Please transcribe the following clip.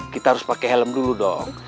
kita harus pakai helm dulu dong